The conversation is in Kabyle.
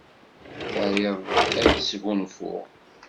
Triḍ ad tesgunfuḍ?